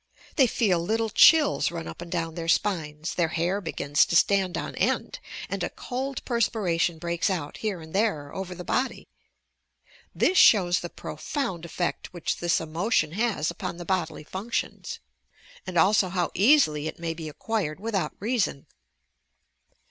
They feel little chills run up and down their spines, their hair begins to stand on end, and a cold perspiration breaks out here and there over the body. This shows the profound effect which this emotion has uimn the bodily functions, and also how easily it may be acquired without reason.